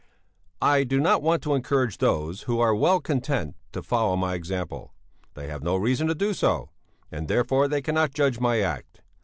"'I do not want to encourage those who are well content to follow my example; they have no reason to do so, and therefore they cannot judge my act.